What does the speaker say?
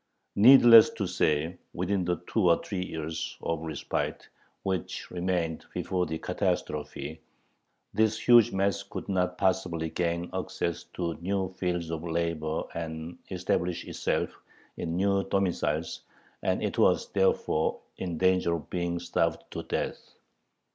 Needless to say, within the two or three years of respite which remained before the catastrophe, this huge mass could not possibly gain access to new fields of labor and establish itself in new domiciles, and it was therefore in danger of being starved to death.